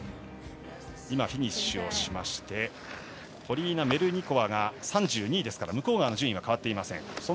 今、フィニッシュをしましてポリーナ・メルニコワが３２位ですから向川の順位は変わっていません。